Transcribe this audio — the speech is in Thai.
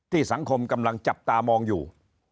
สังคมกำลังจับตามองอยู่